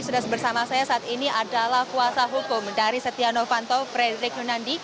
sudah bersama saya saat ini adalah kuasa hukum dari setia novanto frederick yunandi